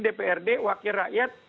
dprd wakil rakyat